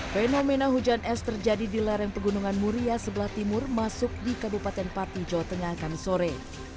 fenomena hujan es terjadi di lereng pegunungan muria sebelah timur masuk di kabupaten pati jawa tengah kami sore